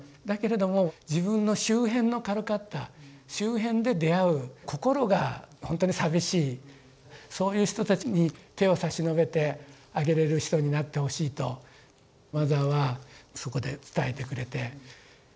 だけれども自分の周辺のカルカッタ周辺で出会う心がほんとに寂しいそういう人たちに手を差し伸べてあげれる人になってほしいとマザーはそこで伝えてくれて。